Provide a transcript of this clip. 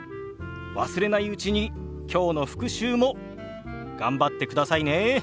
忘れないうちに今日の復習も頑張ってくださいね。